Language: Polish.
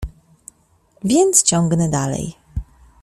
— Więc ciągnę dalej.